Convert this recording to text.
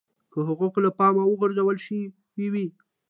که حقوق له پامه غورځول شوي وي.